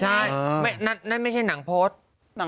ใช่นั่นไม่ใช่หนังโพสต์